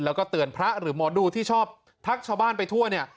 แล้วก็เตือนพระหรือหมอดูที่ชอบทักชาวบ้านไปทั่วเนี่ย